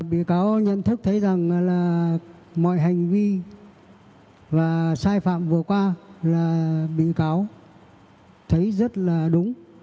bị cáo nhận thức thấy rằng là mọi hành vi và sai phạm vừa qua là bị cáo thấy rất là đúng